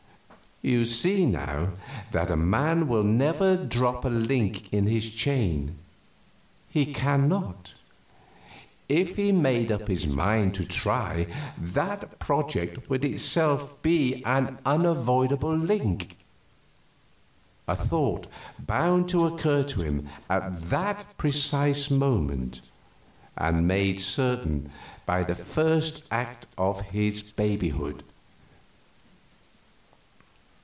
You see, now, that a man will never drop a link in his chain. He cannot. If he made up his mind to try, that project would itself be an unavoidable link a thought bound to occur to him at that precise moment, and made certain by the first act of his babyhood."